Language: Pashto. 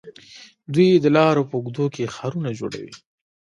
دوی د لارو په اوږدو کې ښارونه جوړوي.